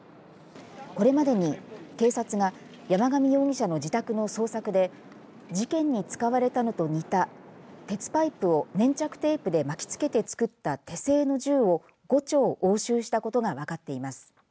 これまでに警察が山上容疑者の自宅の捜索で事件に使われたのと似た鉄パイプを粘着テープで巻きつけて作った手製の銃を５丁押収したことが分かっています。